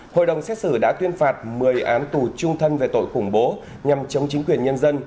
hội đồng xét xử đã tuyên phạt một mươi án tù trung thân về tội khủng bố nhằm chống chính quyền nhân dân